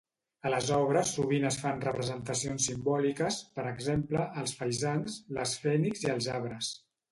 A les obres sovint es fan representacions simbòliques, per exemple, els faisans, les fènixs i els arbres.